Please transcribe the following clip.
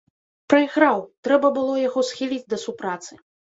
Прайграў, трэба было яго схіліць да супрацы.